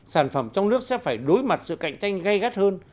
sản phẩm trong nước sẽ phải đối mặt sự cạnh tranh gây gắt hơn